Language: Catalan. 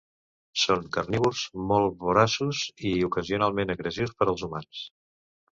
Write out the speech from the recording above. Són carnívors molt voraços i, ocasionalment, agressius per als humans.